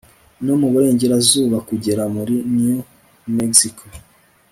no mu burengerazuba kugera muri new mexico